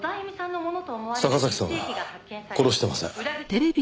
坂崎さんは殺してません。